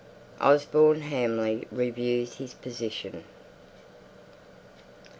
OSBORNE HAMLEY REVIEWS HIS POSITION.